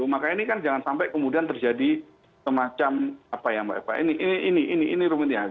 maka ini kan jangan sampai kemudian terjadi semacam apa ya mbak eva ini rumitnya